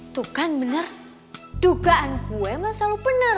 tuh kan bener dugaan gue emang selalu bener